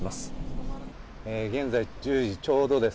現在１０時ちょうどです。